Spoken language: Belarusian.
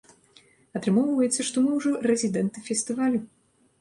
Атрымоўваецца, што мы ўжо рэзідэнты фестывалю!